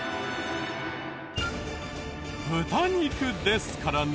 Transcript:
豚肉ですからね。